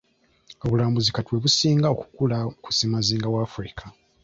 Obulambuzi kati bwe businga okukula ku ssemazinga wa Africa.